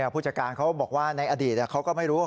ผู้จัดการเขาบอกว่าในอดีตเขาก็ไม่รู้ว่า